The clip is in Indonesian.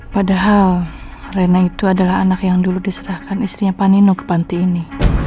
padahal reina itu adalah anak yang dulu diserahkan istrinya panino ke panti ini